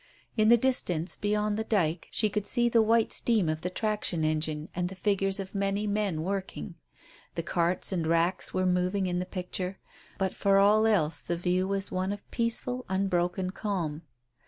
In the distance, beyond the dyke, she could see the white steam of the traction engine and the figures of many men working. The carts and racks were moving in the picture, but for all else the view was one of peaceful, unbroken calm.